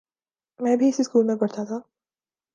میں بھی اسی سکول میں پڑھتا تھا۔